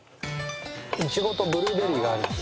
イチゴとブルーベリーがあるんで。